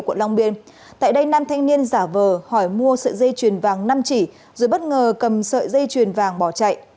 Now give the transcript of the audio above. quận long biên tại đây nam thanh niên giả vờ hỏi mua sợi dây chuyền vàng năm chỉ rồi bất ngờ cầm sợi dây chuyền vàng bỏ chạy